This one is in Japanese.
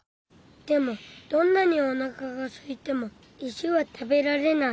でもどんなにおなかがすいても石はたべられない。